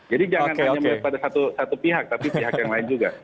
jadi jangan hanya melihat pada satu pihak tapi pihak yang lain juga